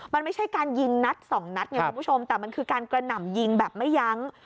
มันไม่ใช่การยิงนัดสองนัดไงคุณผู้ชมแต่มันคือการกระหน่ำยิงแบบไม่ยั้ง